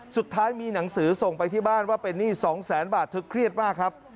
สุดท้ายมีหนังสือส่งไปที่บ้านว่าเป็นหนี้๒แสนบาทเธอเครียดมากครับ